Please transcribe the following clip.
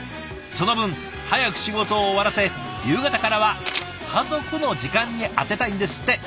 その分早く仕事を終わらせ夕方からは家族の時間に充てたいんですって。